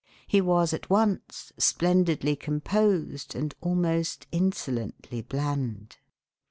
He was at once splendidly composed and almost insolently bland.